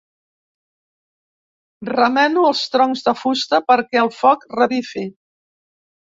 Remeno els troncs de fusta perquè el foc revifi.